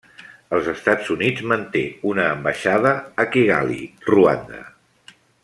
Els Estats Units manté una ambaixada a Kigali, Ruanda.